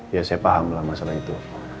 ya saya paham lah masalah itu